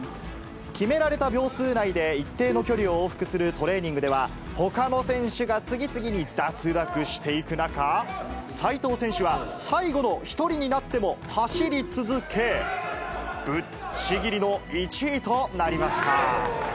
決められた秒数内で、一定の距離を往復するトレーニングでは、ほかの選手が次々に脱落していく中、齋藤選手は、最後の一人になっても走り続け、ぶっちぎりの１位となりました。